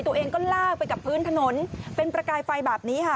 ตัวเองก็ลากไปกับพื้นถนนเป็นประกายไฟแบบนี้ค่ะ